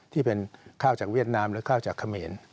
ที่เป็นข้าวจากเวียดนามและข้าวจากเขมร